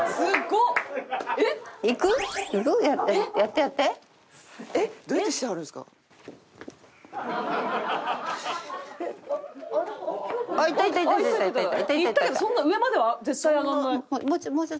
いったけどそんな上までは絶対上がらない。